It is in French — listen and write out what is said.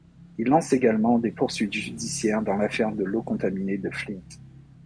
Il lance également des poursuites judiciaires dans l'affaire de l'eau contaminée de Flint.